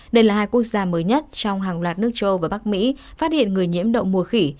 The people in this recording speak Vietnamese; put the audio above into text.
đây là hai quốc gia mới nhất trong hàng loạt nước châu và bắc mỹ phát hiện người nhiễm đậu mùa khỉ